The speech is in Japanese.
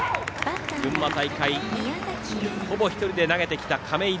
群馬大会、ほぼ１人で投げてきた亀井颯玖。